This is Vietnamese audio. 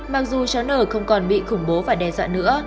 mặc dù cháu n không còn bị khủng bố và đe dọa nữa